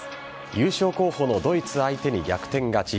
優勝候補のドイツ相手に逆転勝ち。